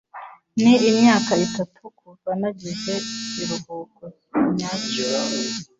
Ni imyaka itatu kuva nagize ikiruhuko nyacyo.